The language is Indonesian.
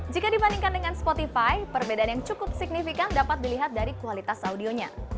jika dibandingkan dengan spotify perbedaan yang cukup signifikan dapat dilihat dari kualitas audionya